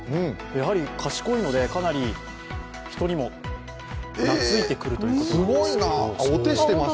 賢いので、かなり人にもなついてくるということです。